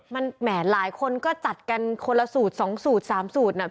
มันแหมหลายคนก็จัดกันคนละสูตร๒สูตร๓สูตรน่ะ